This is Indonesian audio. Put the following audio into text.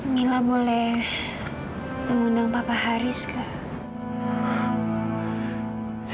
mila boleh mengundang papa haris kak